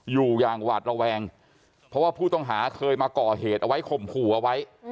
อยู่อย่างหวาดระแวงเพราะว่าผู้ต้องหาเคยมาก่อเหตุเอาไว้ข่มขู่เอาไว้